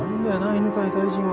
犬飼大臣は。